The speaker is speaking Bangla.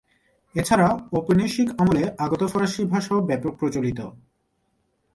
এছাড়া ঔপনিবেশিক আমলে আগত ফরাসি ভাষাও ব্যাপক প্রচলিত।